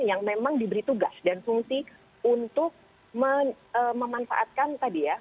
yang memang diberi tugas dan fungsi untuk memanfaatkan tadi ya